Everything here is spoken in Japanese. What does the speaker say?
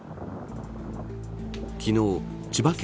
昨日、千葉県